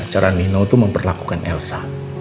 cara nino memperlakukan elsa